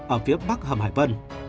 ở phía bắc hầm hải vân